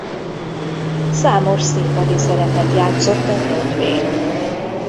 Számos színpadi szerepet játszott a Broadwayn.